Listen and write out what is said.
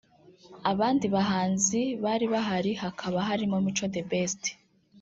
abandi bahanzi bari bahari hakaba harimo Mico The Best